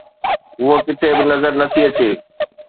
هوءَ ڪٿي به نظر نٿي اچي.